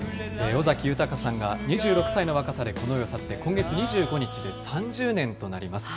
尾崎豊さんが２６歳の若さでこの世を去って、今月２５日で３０年となります。